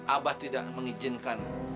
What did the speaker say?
abah tidak mengizinkan